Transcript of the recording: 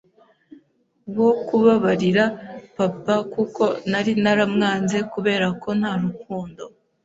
wo kubabarira papa kuko nari naramwanze kubera ko nta Rukundo